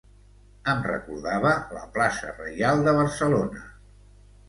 Em recordava la plaça Reial de Barcelona.